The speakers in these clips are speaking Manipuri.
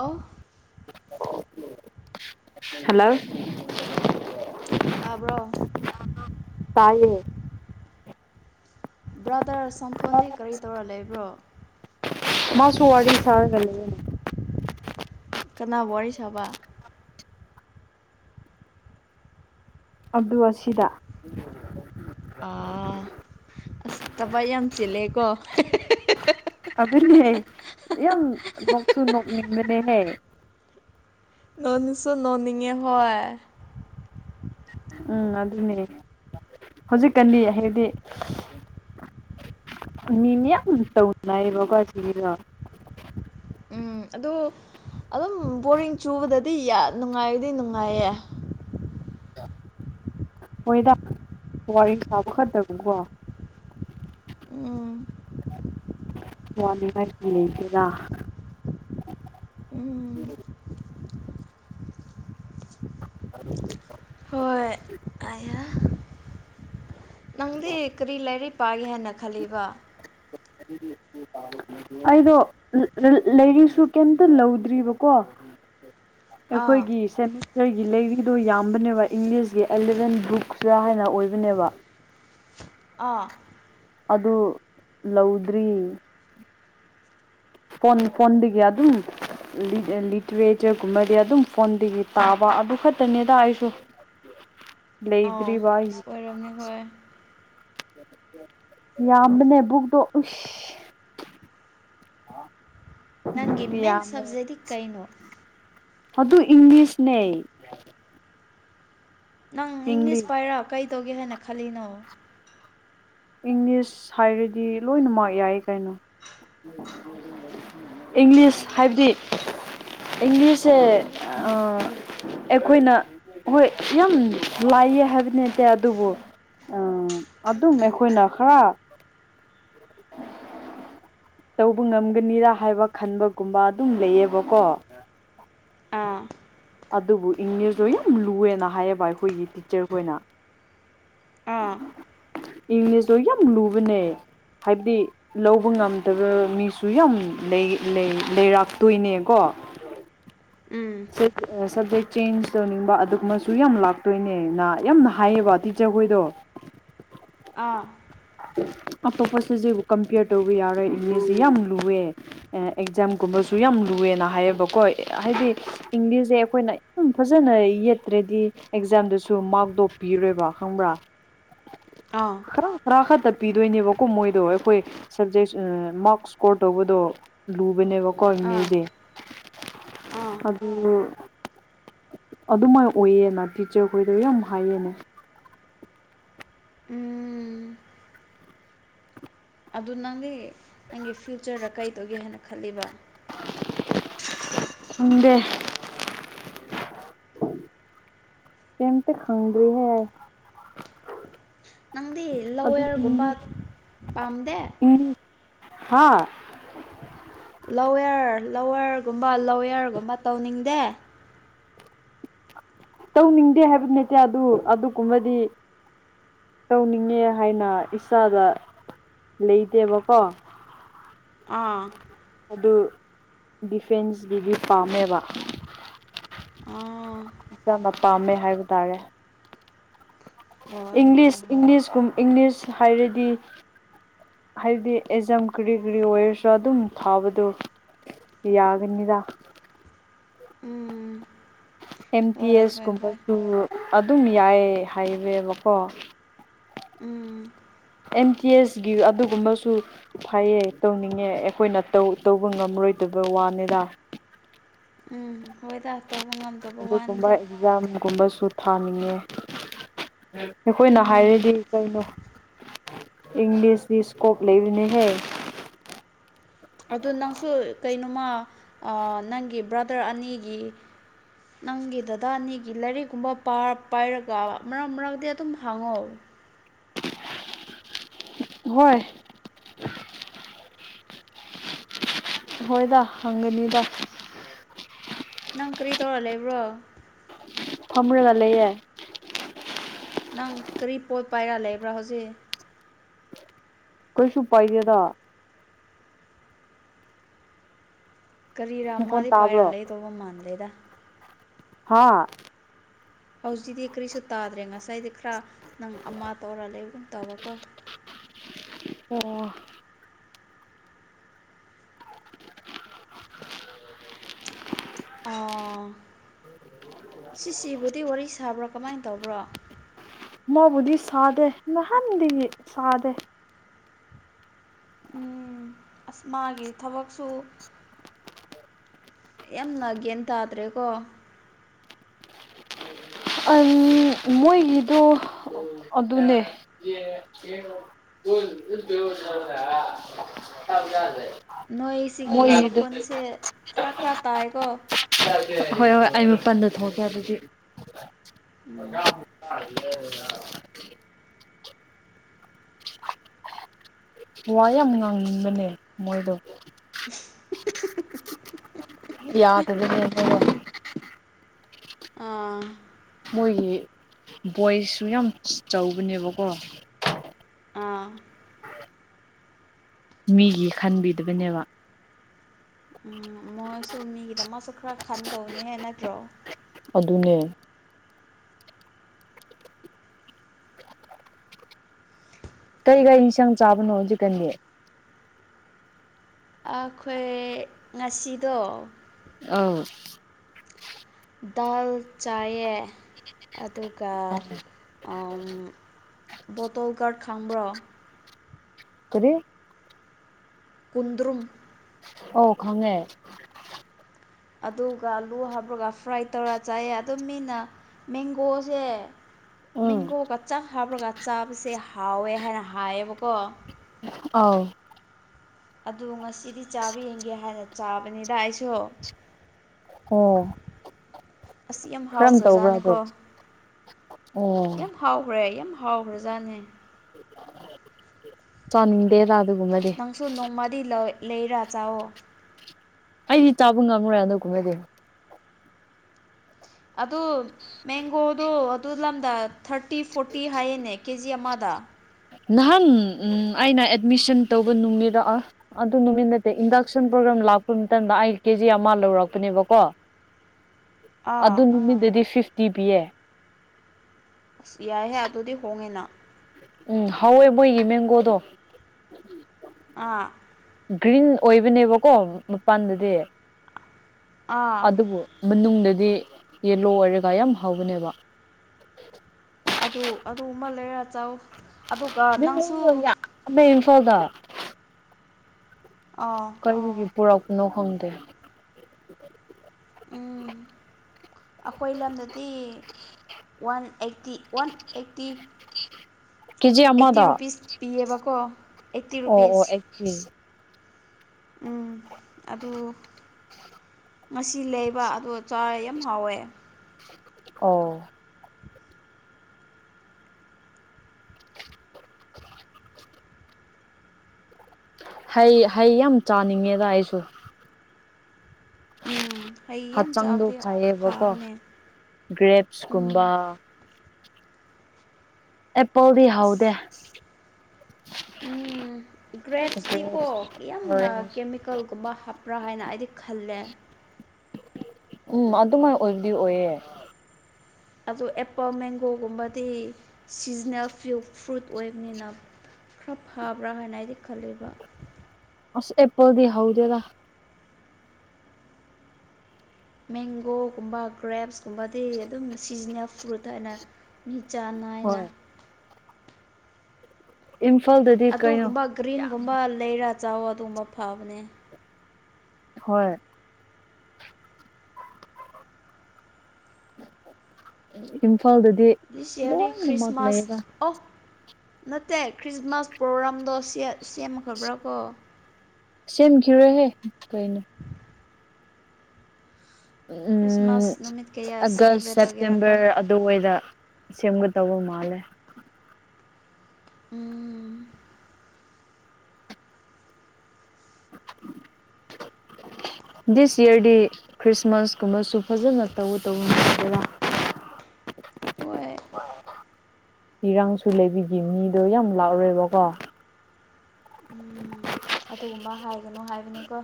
ꯑꯣ [unintelligible] ꯍꯜꯂꯣ ꯇꯥꯕ꯭ꯔꯣ ꯇꯥꯏꯌꯦ ꯕ꯭ꯔꯗꯔ ꯁꯝꯊꯣꯟꯗꯤ ꯀꯔꯤ ꯇꯧꯔ ꯂꯩꯕ꯭ꯔꯣ ꯃꯥꯁꯨ ꯋꯥꯔꯤ ꯁꯥꯔꯒ ꯂꯩꯌꯦꯅꯦ ꯀꯅꯥꯕꯨ ꯋꯥꯔꯤ ꯁꯥꯕ ꯑꯗꯨ ꯑꯁꯤꯗ ꯑꯥ ꯑꯁ ꯇꯕ ꯌꯥꯝ ꯆꯤꯜꯂꯦꯀꯣ ꯑꯗꯨꯅꯦꯍꯦ ꯌꯥꯝ ꯅꯣꯛꯁꯨ ꯅꯣꯛꯅꯤꯡꯕꯅꯦꯍꯦ ꯅꯣꯅꯨꯁꯨ ꯅꯣꯅꯤꯡꯉꯦ ꯍꯣꯏ ꯎꯝ ꯑꯗꯨꯅꯦ ꯍꯧꯖꯤꯛꯀꯟꯗꯤ ꯍꯥꯏꯗꯤ ꯃꯤ ꯃꯌꯥꯝ ꯇꯧꯅꯌꯦꯕꯀꯣ ꯑꯁꯤꯒꯤꯗꯣ ꯎꯝ ꯑꯗꯨ ꯑꯗꯨꯝ ꯕꯣꯔꯤꯡ ꯆꯨꯕꯗꯗꯤ ꯌꯥꯝ ꯅꯨꯡꯉꯥꯏꯕꯗꯤ ꯅꯨꯡꯉꯥꯏꯌꯦ [unintelligible] ꯍꯣꯏꯗ ꯋꯥꯔꯤ ꯁꯥꯕꯥ ꯈꯛꯇꯕꯨꯀꯣ ꯎꯝ ꯋꯥꯅꯤ ꯂꯩꯇꯗ ꯎꯝ [unintelligible] ꯍꯣꯏ ꯑꯌꯥ ꯅꯪꯗꯤ ꯀꯔꯤ ꯂꯥꯏꯔꯤꯛ ꯄꯥꯒꯦ ꯍꯥꯏꯅ ꯈꯜꯂꯤꯕ [unintelligible] ꯑꯩꯗꯣ ꯂꯩꯔꯤꯁꯨ ꯀꯩꯝꯇ ꯂꯧꯗ꯭ꯔꯤꯕꯀꯣ ꯑꯥ ꯑꯩꯈꯣꯏꯒꯤ ꯁꯃꯤ ꯑꯩꯒꯤ ꯂꯩꯔꯤꯗꯣ ꯌꯥꯝꯕꯅꯦꯕ ꯏꯪꯂꯤꯁꯀꯤ ꯑꯦꯂꯚꯦꯟ ꯕꯨꯛꯁꯇ ꯍꯥꯏꯅ ꯑꯣꯏꯕꯅꯦꯕ ꯑꯥ ꯑꯗꯨ ꯂꯧꯗ꯭ꯔꯤ ꯐꯣꯟ ꯐꯣꯟꯗꯒꯤ ꯑꯗꯨꯝ ꯂꯤꯇꯔꯦꯆꯔ ꯒꯨꯝꯕꯗꯤ ꯑꯗꯨꯝ ꯐꯣꯟꯗꯒꯤ ꯇꯥꯕ ꯑꯗꯨ ꯈꯛꯇꯅꯤꯗ ꯑꯩꯁꯨ ꯑꯥ ꯂꯩꯗ꯭ꯔꯤꯕ ꯑꯁ ꯑꯩ ꯑꯣꯏꯔꯝꯅꯦ ꯍꯣꯏ ꯌꯥꯝꯕꯅꯦ ꯕꯨꯛꯇꯛꯇꯣ ꯎꯁ ꯅꯪꯒꯤ ꯃꯦꯟꯦ ꯌꯥꯝꯃꯦ ꯁꯞꯖꯦꯗꯤ ꯀꯥꯏꯩꯅꯣ ꯑꯗꯨ ꯑꯗꯨ ꯏꯪꯂꯤꯁ ꯅꯤ ꯅꯪ ꯏꯪꯂꯤꯁ ꯄꯥꯏꯔ ꯀꯩꯗꯧꯒꯦ ꯍꯥꯏꯅ ꯈꯜꯂꯤꯅꯣ ꯏꯪꯂꯤꯁ ꯍꯥꯏꯔꯗꯤ ꯂꯣꯏꯅ ꯃꯥꯔ ꯌꯥꯏ ꯀꯩꯅꯣ [inaudible] ꯏꯪꯂꯤꯁ ꯍꯥꯏꯕꯗꯤ ꯏꯪꯂꯤꯁꯁꯦ ꯑꯩꯈꯣꯏꯅ ꯍꯣꯏ ꯌꯥꯝ ꯂꯥꯏꯌꯦ ꯍꯥꯏꯕꯗꯤ ꯅꯠꯇꯦ ꯑꯗꯨꯕꯨ ꯎꯝ ꯑꯗꯨꯝ ꯑꯩꯈꯣꯏꯅ ꯈꯔ ꯇꯧꯕ ꯉꯝꯒꯅꯤꯔꯥ ꯍꯥꯏꯕ ꯈꯟꯕꯒꯨꯝꯕ ꯑꯗꯨꯝ ꯂꯩꯌꯦꯕꯀꯣ ꯑꯥ ꯑꯗꯨꯕꯨ ꯏꯪꯂꯤꯁ ꯂꯣ ꯌꯥꯝ ꯂꯨꯑꯦꯅ ꯍꯥꯏꯌꯦꯕ ꯑꯩꯈꯣꯏꯒꯤ ꯇꯤꯆꯔꯈꯣꯏꯅ ꯑꯥ ꯏꯪꯂꯤꯁꯇꯣ ꯌꯥꯝ ꯂꯨꯕꯅꯦ ꯍꯥꯏꯕꯗꯤ ꯂꯧꯕ ꯉꯝ ꯑꯗꯨꯒ ꯃꯤꯁꯨ ꯌꯥꯝ ꯂꯩꯔꯥꯛꯇꯣꯏꯅꯦꯀꯣ ꯎꯝ ꯁ ꯁ ꯆꯦꯟꯖ ꯇꯧꯅꯤꯡꯕ ꯑꯗꯨꯃꯁꯨ ꯌꯥꯝ ꯂꯥꯛꯇꯣꯏꯅꯦ ꯌꯥꯝꯅ ꯍꯥꯏꯌꯦꯕ ꯇꯤꯆꯔꯈꯣꯏꯗꯣ ꯑꯥ ꯑꯇꯣꯞꯄ ꯁꯤꯁꯤꯕꯨ ꯀꯝꯄꯤꯌꯔ ꯇꯧꯕ ꯌꯥꯔꯣꯏ ꯏꯪꯂꯤꯁꯁꯦ ꯌꯥꯝ ꯂꯨꯑꯦ ꯑꯦꯛꯖꯥꯝꯒꯨꯝꯕꯁꯨ ꯌꯥꯝ ꯂꯨꯑꯦꯅ ꯍꯥꯏꯌꯦꯕꯀꯣ ꯍꯥꯏꯗꯤ ꯏꯪꯂꯤꯁꯁꯦ ꯑꯩꯈꯣꯏꯅ ꯌꯥꯝ ꯐꯖꯅ ꯌꯦꯠꯇ꯭ꯔꯗꯤ ꯑꯦꯛꯖꯥꯝꯗꯁꯨ ꯃꯥꯛ ꯗꯣꯞ ꯄꯤꯔꯣꯏꯕ ꯈꯪꯕ꯭ꯔꯥ ꯑꯥ ꯈꯔ ꯈꯔꯥ ꯈꯛꯇ ꯄꯤꯗꯣꯏꯅꯦꯕꯀꯣ ꯃꯣꯏꯗꯣ ꯑꯩꯈꯣꯏ ꯁꯕꯖꯦꯛ ꯃꯥꯔꯛꯁ ꯏꯁꯀꯣꯔ ꯇꯧꯕꯗꯣ ꯂꯨꯕꯅꯦꯕꯀꯣ ꯑꯥ ꯏꯪꯂꯤꯁꯁꯦ ꯑꯥ ꯑꯗꯨ ꯑꯗꯨꯃꯥꯏ ꯑꯣꯏꯌꯦꯅ ꯇꯤꯆꯔꯈꯣꯏꯗ ꯌꯥꯝ ꯍꯥꯏꯌꯦꯅꯦ ꯎꯝ ꯑꯗꯨ ꯅꯪꯗꯤ ꯅꯪꯒꯤ ꯐ꯭ꯌꯨꯆꯔꯗ ꯀꯩ ꯇꯧꯒꯦ ꯍꯥꯏꯅ ꯈꯜꯂꯤꯕ ꯎꯗ ꯇꯝꯇ ꯈꯪꯗꯍ ꯅꯪꯗꯤ ꯑꯗꯨ ꯂꫭꯋꯦꯔꯒꯨꯝꯕ ꯏꯪꯂꯤꯁ ꯄꯥꯝꯗꯦ ꯍꯥꯥ ꯂꫭꯋꯦꯔ ꯂꫭꯋꯔꯒꯨꯝꯕ ꯂꫭꯋꯦꯔꯒꯨꯝꯕ ꯇꯧꯅꯤꯡꯗꯦ ꯇꯧꯅꯤꯡꯗꯦ ꯍꯥꯏꯕꯗꯨ ꯅꯇꯦ ꯑꯗꯨ ꯑꯗꯨꯒꯨꯝꯕꯗꯤ ꯇꯧꯅꯤꯡꯉꯦ ꯍꯥꯏꯅ ꯏꯁꯥꯗ ꯂꯩꯇꯦꯕꯀꯣ ꯑꯥ ꯑꯗꯨ ꯗꯤꯐꯦꯟꯁ ꯗꯤ ꯄꯥꯝꯃꯦꯕ ꯑꯥ ꯏꯁꯥꯅ ꯄꯥꯝꯃꯦ ꯍꯥꯏꯕ ꯇꯥꯔꯦ ꯍꯣꯏ ꯍꯣꯏ ꯏꯪꯂꯤꯁ ꯍꯣꯏ ꯏꯪꯂꯤꯁꯀꯨꯝ ꯏꯪꯂꯤꯁ ꯍꯥꯏꯔꯗꯤ ꯍꯥꯏꯗꯤ ꯑꯦꯖꯝ ꯀ꯭ꯔꯤ ꯀ꯭ꯔꯤ ꯋꯌꯔꯁꯨ ꯑꯗꯨꯝ ꯊꯥꯕꯗꯣ ꯌꯥꯒꯅꯤꯗ ꯎꯝ ꯑꯦꯝ ꯇꯤ ꯍꯣꯏ ꯑꯦꯁ ꯍꯣꯏ ꯍꯣꯏ ꯀꯨꯝꯕꯁꯨ ꯑꯗꯨꯝ ꯌꯥꯏ ꯍꯥꯏꯋꯦꯕꯀꯣ ꯎꯝ ꯑꯦꯝ ꯇꯤ ꯑꯦꯁ ꯒꯤ ꯑꯗꯨꯒꯨꯝꯕꯁꯨ ꯐꯌꯦ ꯇꯧꯅꯤꯡꯉꯦ ꯑꯩꯈꯣꯏꯅ ꯇꯧꯕ ꯉꯝꯔꯣꯏꯗꯕ ꯋꯥꯅꯦꯗ ꯎꯝ ꯍꯣꯏꯗ ꯇꯧꯕ ꯉꯝꯗꯕ ꯑꯗꯨꯒꯨꯝꯕ ꯋꯥꯅꯤꯗ ꯑꯦꯛꯖꯥꯝꯒꯨꯝꯕꯁꯨ ꯊꯥꯅꯤꯡꯉꯦ ꯑꯩꯈꯣꯏꯅ ꯎꯝ ꯍꯥꯏꯔꯗꯤ ꯀꯩꯅꯣ ꯏꯪꯂꯤꯁꯗꯤ ꯏꯁꯀꯣꯄ ꯂꯩꯕꯅꯤ ꯍꯦ ꯑꯗꯨ ꯅꯪꯁꯨ ꯀꯩꯅꯣꯃ ꯅꯪꯒꯤ ꯕ꯭ꯔꯗꯔ ꯑꯅꯤꯒꯤ ꯅꯪꯒꯤ ꯗꯗꯥ ꯑꯅꯤꯒꯤ ꯂꯥꯏꯔꯤꯛꯀꯨꯝꯕ ꯄꯥꯏꯔꯒ ꯃꯔꯛ ꯃꯔꯛꯇꯗꯤ ꯑꯗꯨꯝ ꯍꯥꯡꯉꯣ ꯍꯣꯏ ꯍꯣꯏꯗ ꯍꯪꯒꯅꯤꯗ ꯅꯪ ꯀꯔꯤ ꯇꯧꯔ ꯂꯩꯕ꯭ꯔꯣ ꯊꯝꯔ ꯂ ꯂꯩꯦ ꯌꯥꯦ ꯅꯪ ꯀꯔꯤ ꯄꯣꯠ ꯄꯥꯏꯔ ꯂꯩꯕ꯭ꯔꯥ ꯍꯧꯖꯤꯛ ꯀꯩꯁꯨ ꯄꯥꯏꯗꯦꯗ ꯀꯔꯤꯔꯥ ꯃꯈꯣꯟ ꯃꯥꯗꯤ ꯄꯥꯏꯔ ꯇꯥꯕ꯭ꯔꯣ ꯂꯩꯗꯧꯕ ꯃꯥꯥꯟꯗꯦꯗ ꯍꯥ ꯍꯧꯖꯤꯛꯗꯤ ꯀꯔꯤꯁꯨ ꯇꯥꯗ꯭ꯔꯦ ꯉꯁꯥꯏꯗꯤ ꯈꯔ ꯅꯪ ꯑꯃ ꯇꯧꯔ ꯂꯩꯕꯒꯨꯝ ꯇꯕꯀꯣ ꯑꯣ ꯑ ꯁꯤꯁꯤꯕꯨꯗꯤ ꯋꯥꯔꯤ ꯁꯥꯕ꯭ꯔꯥ ꯀꯃꯥꯏꯅ ꯇꯧꯕ꯭ꯔꯣ ꯃꯥꯕꯨꯗꯤ ꯁꯥꯗꯦ ꯅꯍꯥꯟꯗꯤ ꯁꯥꯗꯦ ꯑꯁ ꯃꯥꯒꯤ ꯊꯕꯛꯁꯨ ꯌꯥꯝꯅ ꯒ꯭ꯌꯥꯟ ꯇꯥꯗ꯭ꯔꯦꯀꯣ ꯃꯣꯏꯒꯤꯗꯣ ꯑꯗꯨꯅꯦ [inaudible] ꯅꯣꯏꯁꯤꯒꯤ ꯃꯣꯏꯒꯤꯗꯣ ꯃꯈꯣꯟꯁꯦ ꯈꯔ ꯈꯔ ꯇꯥꯏꯀꯣ ꯍꯣꯏ ꯍꯣꯏ ꯑꯩ ꯃꯄꯥꯟꯗ ꯊꯣꯛꯀꯦ ꯑꯗꯨꯗꯤ ꯎꯝ ꯑ [unintelligible] ꯋꯥ ꯌꯥꯝ ꯉꯥꯡꯅꯤꯡꯕꯅꯦ ꯃꯣꯏꯗꯣ ꯍ [inaudible] ꯌꯥꯗꯅꯦ [unintelligible] ꯑꯥ ꯃꯣꯏꯒꯤ ꯚꯣꯏꯁꯁꯨ ꯌꯥꯝ ꯆꯥꯎꯧꯕꯅꯦꯕꯀꯣ ꯑꯥ ꯃꯤꯒꯤ ꯈꯟꯕꯤꯗꯕꯅꯦꯕ ꯎꯝ ꯃꯣꯏꯁꯨ ꯃꯤꯒꯤꯗꯃꯛꯁꯨ ꯈꯔ ꯈꯟ ꯇꯧꯅꯤꯍꯦ ꯅꯠꯇ꯭ꯔꯣ ꯑꯗꯨꯅꯦ ꯀꯩ ꯀꯔꯤ ꯏꯟꯁꯥꯡ ꯆꯥꯕꯅꯣ ꯍꯧꯖꯤꯛꯀꯅꯤ ꯑꯩꯈꯣꯏ ꯉꯁꯤꯗꯣ ꯑꯧ ꯗꯥꯜ ꯆꯥꯏꯌꯦ ꯑꯗꯨꯒ ꯕꯣꯇꯜꯒꯥꯔꯗ ꯈꯝꯕ꯭ꯔꯣ ꯀꯔꯤ ꯀꯨꯟꯗ꯭ꯔꯨꯝ ꯑꯣ ꯈꯪꯉꯦ ꯑꯗꯨꯒ ꯑꯂꯨ ꯍꯥꯞꯂꯒ ꯐ꯭ꯔꯥꯏ ꯇꯧꯔ ꯆꯥꯏꯑ ꯑꯗꯨ ꯃꯤꯅ ꯃꯦꯡꯒꯣꯁꯦ ꯎꯝ ꯃꯦꯡꯒꯣꯒ ꯆꯥꯛ ꯍꯥꯞꯔꯒ ꯆꯥꯕꯁꯦ ꯍꯥꯎꯋꯦ ꯍꯥꯏꯅ ꯍꯥꯏꯌꯦꯕꯀꯣ ꯑꯥꯎ ꯑꯗꯨ ꯉꯁꯤꯗꯤ ꯆꯥꯕ ꯌꯦꯡꯒꯦ ꯍꯥꯏꯅ ꯆꯥꯕꯅꯤꯗ ꯑꯩꯁꯨ ꯑꯣ ꯑꯁꯤ ꯌꯥꯝ ꯀꯔꯝ ꯇꯧꯕ꯭ꯔꯥ ꯑꯗꯣ ꯍꯥꯎꯈ꯭ꯔꯖꯥꯠꯅꯦꯀꯣ ꯑꯣ ꯍꯥꯎꯈ꯭ꯔꯦ ꯌꯥꯝ ꯍꯥꯎꯈ꯭ꯔꯖꯥꯠꯅꯦ ꯁꯣꯅꯤꯡꯗꯦꯗ ꯑꯗꯨꯒꯒꯨꯝꯕ ꯅꯪꯁꯨ ꯅꯣꯡꯃꯗꯤ ꯂꯩꯔꯥ ꯆꯥꯋꯣ ꯑꯩꯗꯤ ꯆꯥꯕ ꯉꯝꯔꯣꯏ ꯑꯅꯣ [inaudible] ꯀꯨꯝꯗꯤ ꯑꯗꯨ ꯃꯦꯡꯒꯣꯗꯣ ꯑꯗꯨ ꯂꯝꯗ ꯊꯥꯔꯇꯤ ꯐꯣꯔꯇꯤ ꯍꯥꯏꯌꯦꯅꯦ ꯀꯦ ꯖꯤ ꯑꯃꯗ ꯅꯍꯥꯟ ꯑꯩꯅ ꯑꯦꯠꯃꯤꯁꯟ ꯇꯧꯕ ꯅꯨꯡꯃꯤꯔꯛꯑ ꯑꯗꯨ ꯅꯨꯃꯤꯠ ꯅꯠꯇꯦ ꯏꯟꯗꯛꯁꯟ ꯄ꯭ꯔꯣꯒ꯭ꯔꯥꯝ ꯂꯥꯛꯄ ꯃꯇꯝꯗ ꯑꯩ ꯀꯦꯖꯤ ꯑꯃ ꯂꯧꯔꯛꯄꯅꯦꯕꯀꯣ ꯑꯗꯨ ꯑꯥ ꯅꯨꯃꯤꯠꯇꯗꯤ ꯐꯤꯐꯇꯤ ꯄꯤꯌꯦ ꯑꯁ ꯌꯥꯏꯍꯦ ꯑꯗꯨꯗꯤ ꯍꯣꯡꯉꯤꯅ ꯎꯝ ꯍꯋꯏ ꯃꯣꯏꯒꯤ ꯃꯦꯡꯒꯣꯗꯣ ꯑꯥ ꯒ꯭ꯔꯤꯟ ꯑꯣꯏꯕꯅꯦꯕꯀꯣ ꯃꯄꯥꯟꯗꯨꯗꯤ ꯑꯥ ꯑꯗꯨꯕꯨ ꯃꯅꯨꯡꯗꯗꯤ ꯌꯦꯂꯣ ꯑꯣꯏꯔꯒ ꯌꯥꯝ ꯍꯥꯎꯕꯅꯦꯕ ꯑꯗꯨ ꯑꯗꯨ ꯑꯃ ꯂꯩꯔꯥ ꯆꯧ ꯅ ꯌꯥꯝꯑꯃꯦ ꯏꯝꯐꯥꯜꯗ ꯑ ꯕꯨꯕꯤꯄꯨꯔꯥꯎ ꯀꯅꯨ ꯈꯪꯗꯦ ꯎꯝ ꯑꯩꯈꯣꯏ ꯂꯝꯗꯗꯤ one eighty one eighty KG eighty ꯑꯃꯗ ꯔꯨꯄꯤꯁ ꯄꯤꯌꯦꯕꯀꯣ ꯑꯩꯠꯇꯤ ꯑꯣ ꯑꯣ ꯔꯨꯄꯤꯁ ꯑꯩꯠ ꯀꯦ ꯎꯝ ꯑꯗꯨ ꯉꯁꯤ ꯂꯩꯕ ꯑꯗꯣ ꯆꯥꯔꯦ ꯌꯥꯝ ꯍꯥꯎꯋꯦ ꯑꯣ [unintelligible] ꯎ ꯍꯩ ꯍꯩ ꯌꯥꯝ ꯆꯥꯅꯤꯡꯉꯦꯗ ꯑꯩꯁꯨ ꯎꯝ ꯍꯩ ꯌꯥꯝ ꯍꯛꯆꯥꯡꯗꯣ ꯆꯥꯕꯗꯤ ꯐꯥꯏꯌꯦꯕꯀꯣ ꯐꯕꯅꯦ ꯒ꯭ꯔꯦꯞꯁꯀꯨꯝꯕ ꯎꯝ ꯑꯦꯄꯣꯜꯗꯤ ꯑꯁ ꯍꯥꯎꯗꯦ ꯒ꯭ꯔꯦꯞꯁꯇꯤꯀꯣ ꯒ꯭ꯔꯦꯞꯁ ꯌꯥꯝꯅ ꯑꯣꯔꯦꯟꯖ ꯀꯦꯃꯤꯀꯦꯜꯒꯨꯝꯕ ꯍꯥꯞ ꯕ꯭ꯔꯥ ꯍꯥꯏꯅ ꯑꯩꯗꯤ ꯈꯜꯂꯦ ꯎꯝ ꯑꯗꯨꯃꯥꯏꯅ ꯑꯣꯏꯕꯨꯗꯤ ꯑꯣꯏꯌꯦꯦ ꯑꯗꯣ ꯑꯦꯄꯜ ꯃꯦꯡꯒꯣꯒꯨꯝꯕꯗꯤ ꯁꯤꯖꯟꯅꯜ ꯐꯨ ꯐ꯭ꯔꯨꯠ ꯑꯣꯏꯕꯅꯤꯅ ꯈꯔ ꯐꯕ꯭ꯔꯥ ꯍꯥꯏꯅ ꯑꯩꯗꯤ ꯈꯜꯂꯤꯕ ꯑꯁ ꯑꯦꯄꯜꯗꯤ ꯍꯎꯗꯦꯗ ꯃꯦꯡꯒꯣꯒꯨꯝꯕ ꯒ꯭ꯔꯦꯞꯁꯀꯨꯝꯕꯗꯤ ꯑꯗꯨꯝ ꯁꯤꯖꯟꯅꯜ ꯐ꯭ꯔꯨꯠ ꯍꯥꯏꯅ ꯃꯤꯆꯥꯥꯟ ꯍꯣꯏ ꯅꯥꯏꯅ ꯏꯝꯐꯥꯜꯗꯗꯤ ꯀꯩꯅꯣ ꯑꯗꯨꯒꯨꯝꯕ ꯌꯥꯝ ꯒ꯭ꯔꯤꯟꯒꯨꯝꯕ ꯂꯩꯔ ꯆꯥꯎ ꯑꯗꯨꯒꯨꯝꯕ ꯐꯕꯅꯦ ꯍꯣꯏ ꯏꯝꯐꯥꯜꯗꯗꯤ ꯗꯤꯁꯤꯌꯥꯔꯤ ꯂꯣꯏꯅꯃꯛ ꯈ꯭ꯔꯤꯁꯃꯥꯁ ꯂꯩꯌꯦꯗ ꯑꯣ ꯅꯠꯇꯦ ꯈ꯭ꯔꯤꯁꯃꯥꯁ ꯄ꯭ꯔꯣꯒ꯭ꯔꯥꯝꯗꯣ ꯁꯦ ꯁꯦꯝꯃꯈꯕ꯭ꯔꯥ ꯀꯣ꯫ ꯁꯦꯝꯈꯤꯔꯣꯏꯍꯦ ꯀꯩꯅꯣ꯫ ꯎꯝ ꯈ꯭ꯔꯤꯁꯃꯥꯁ ꯅꯨꯃꯤꯠ ꯀꯌꯥ ꯑꯒꯁ ꯁꯦꯂꯦꯕ꯭ꯔꯦꯠ ꯇꯧꯒꯦꯔꯥꯀꯣ ꯁꯦꯞꯇꯦꯝꯕꯔ ꯑ ꯑꯗꯨꯋꯩꯗ ꯁꯦꯝꯒꯗꯧꯕ ꯃꯥꯜꯂꯦ꯫ ꯎꯝ꯫ [unintelligible] ꯗꯤꯁ ꯌꯦꯔꯗꯤ ꯈ꯭ꯔꯤꯁꯃꯥꯁꯀꯨꯝꯕꯁꯨ ꯐꯖꯅ ꯇꯧꯒꯗꯧꯕ꯫ [inaudible] [inaudible] ꯏꯔꯥꯡꯁꯨ ꯂꯩꯕꯤꯒꯤ ꯃꯤꯗꯣ ꯌꯥꯝ ꯂꯥꯛꯔꯣꯏꯕꯀꯣ꯫ ꯎꯝ ꯑꯗꯨꯒꯨꯝꯕ ꯍꯥꯏꯒꯅꯣ ꯍꯥꯏꯕꯅꯤꯀꯣ꯫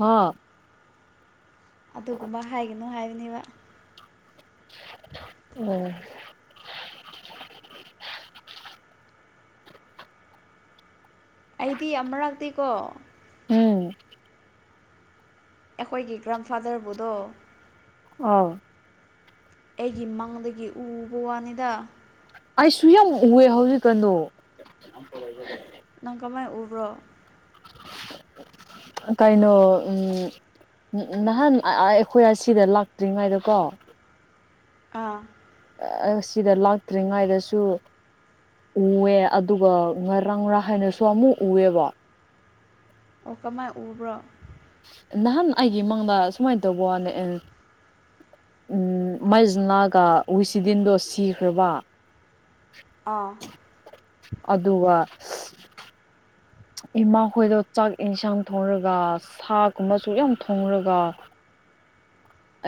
ꯍꯥ꯫ ꯑꯗꯨꯒꯨꯝꯕ ꯍꯥꯏꯒꯅꯨ ꯍꯥꯏꯕꯅꯦꯕ꯫ ꯑꫭ꯫ ꯑꯩꯗꯤ ꯑꯃꯔꯛꯇꯦꯀꯣ ꯎꯝ꯫ ꯑꯩꯈꯣꯏꯒꯤ ꯒ꯭ꯔꯥꯟꯐꯥꯗꯔꯕꯨꯗꯣ ꯑꯧ꯫ ꯑꯩꯒꯤ ꯃꯪꯗꯒꯤ ꯎꯕ ꯋꯥꯅꯤꯗ꯫ ꯑꯩꯁꯨ ꯌꯥꯝ ꯎꯑꯦ ꯍꯧꯖꯤꯛꯀꯥꯟꯗꯣ꯫ ꯅꯪ ꯀꯃꯥꯏ ꯎꯕ꯭ꯔꯣ꯫ [unintelligible] ꯀꯩꯅꯣ ꯎꯝ ꯅ ꯅꯍꯥꯟ ꯑꯥꯏ ꯑꯩꯈꯣꯏ ꯑꯁꯤꯗ ꯂꯥꯛꯇ꯭ꯔꯤꯉꯩꯗꯀꯣ ꯑꯥ꯫ ꯑꯁꯤꯗ ꯂꯥꯛꯇ꯭ꯔꯤꯉꯩꯗꯁꯨ ꯎꯋꯦ ꯑꯗꯨꯒ ꯉꯔꯥꯡꯔ ꯍꯥꯏꯅꯁꯨ ꯑꯃꯨꯛ ꯎꯋꯦꯕ꯫ ꯑꯣ ꯀꯃꯥꯏꯅ ꯎꯕ꯭ꯔꯣ꯫ ꯅꯍꯥꯟ ꯑꯩꯒꯤ ꯃꯥꯡꯗ ꯁꯨꯃꯥꯏꯅ ꯇꯧꯕꯋꯥꯅꯦ ꯑꯦꯟ ꯎꯝ ꯃꯩꯖꯅꯥꯒ ꯍꯨꯏꯁꯤꯗꯤꯟꯗꯣ ꯁꯤꯈ꯭ꯔꯕ꯫ ꯑꯥ꯫ ꯑꯗꯨꯒꯥ [unintelligible] ꯏꯃꯥ ꯈꯣꯏꯗꯣ ꯆꯥꯛ ꯌꯦꯟꯁꯥꯡ ꯊꯣꯡꯔꯒ ꯁꯥ ꯀꯨꯝꯕꯁꯨ ꯌꯥꯝ ꯊꯣꯡꯔꯒ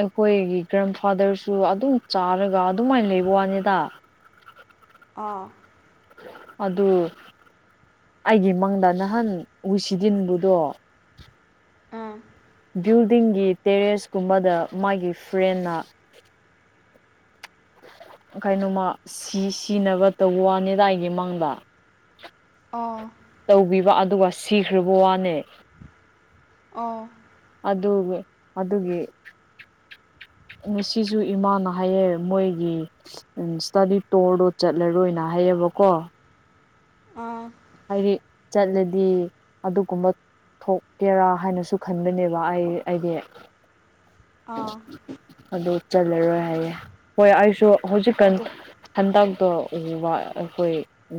ꯑꯩꯈꯣꯏꯒꯤ ꯒ꯭ꯔꯥꯟꯐꯥꯗꯔꯁꯨ ꯑꯗꯨꯝ ꯆꯥꯔꯒ ꯑꯗꯨꯃꯥꯏꯅ ꯂꯩꯕ ꯋꯥꯅꯤꯗ꯫ ꯑꯥ꯫ ꯑꯗꯨ ꯑꯩꯒꯤ ꯃꯪꯗ ꯅꯍꯥꯟ ꯎꯏꯁꯤꯗꯤꯟꯕꯨꯗꯣ꯫ ꯑꯥ꯫ ꯕꯤꯜꯗꯤꯡꯒꯤ ꯇꯦꯔꯦꯁ ꯀꯨꯝꯕꯗ ꯃꯥꯒꯤ ꯐ꯭ꯔꯦꯟꯅ ꯀꯩꯅꯣꯃꯥ ꯁꯤ ꯁꯤꯅꯕ ꯇꯧꯕ ꯋꯥꯅꯤꯗ ꯑꯩꯒꯤ ꯃꯪꯗꯥ꯫ ꯑꯣ꯫ ꯇꯧꯕꯤꯕ ꯑꯗꯨꯒ ꯁꯤꯈ꯭ꯔꯕ ꯋꯥꯅꯦ꯫ ꯑꯣ꯫ ꯑꯗꯨ ꯑꯗꯨꯒꯤ ꯉꯁꯤꯁꯨ ꯏꯃꯥꯟꯅ ꯍꯥꯏꯌꯦ ꯃꯣꯏ ꯒꯤ ꯎ ꯁ꯭ꯇꯗꯤ ꯇꯣꯔꯗꯣ ꯆꯠꯂꯔꯣꯏꯅ ꯍꯥꯏꯌꯦꯕꯀꯣ꯫ ꯑꯥ꯫ ꯍꯥꯏꯗꯤ ꯆꯠꯂꯗꯤ ꯑꯗꯨꯀꯨꯝꯕ ꯊꯣꯛꯀꯦꯔꯥ ꯍꯥꯏꯅꯁꯨ ꯈꯟꯕꯅꯦꯕ ꯑꯩ ꯑꯩꯗꯤ꯫ ꯑꯥ ꯑꯗꯨ ꯆꯠꯂꯔꯣꯏ ꯍꯥꯏꯌꯦ ꯍꯣꯏ ꯑꯩꯁꯨ ꯍꯧꯖꯤꯛꯀꯥꯟ ꯑꯗꯨ ꯍꯟꯗꯥꯛꯇꯣ ꯎ ꯋꯥ ꯑꯩꯈꯣꯏ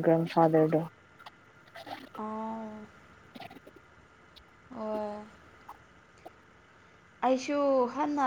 ꯒ꯭ꯔꯦꯟꯐꯥꯗꯔꯗꯣ ꯑꯥꯎ ꯍꯣꯏ ꯑꯩꯁꯨ ꯍꯅ